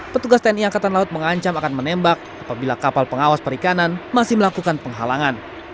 petugas tni angkatan laut mengancam akan menembak apabila kapal pengawas perikanan masih melakukan penghalangan